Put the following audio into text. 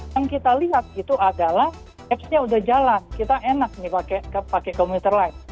yang kita lihat itu adalah apps nya sudah jalan kita enak pakai computer line